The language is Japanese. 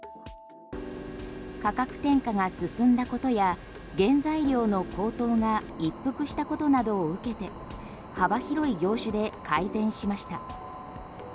価格転嫁が進んだことや原材料の高騰が一服したことなどを受けて幅広い業種で改善しました。